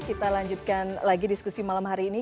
kita lanjutkan lagi diskusi malam hari ini